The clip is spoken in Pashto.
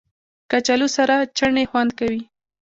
کچالو سره چټني خوند کوي